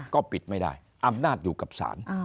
ก็ปิดไม่ได้อำนาจอยู่กับศาล